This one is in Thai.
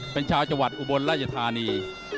เป็นชาวจังหวัดอุบลราชธานี